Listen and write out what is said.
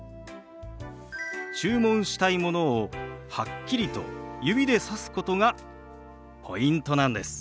注文したいものをはっきりと指でさすことがポイントなんです。